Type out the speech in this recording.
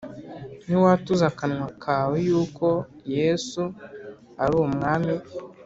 Niwatuza akanwa kawe yuko Yesu ari Umwami